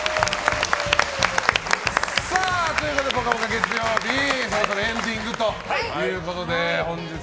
月曜日そろそろエンディングということで。